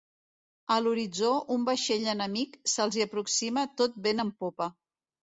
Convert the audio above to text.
A l'horitzó, un vaixell enemic se'ls hi aproxima tot vent en popa.